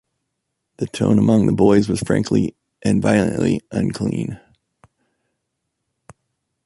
The tone among the boys was frankly and violently unclean.